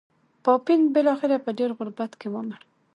پاپین بلاخره په ډېر غربت کې ومړ.